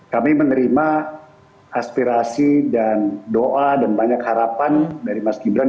kami menerima aspirasi dan doa dan banyak harapan dari mas gibran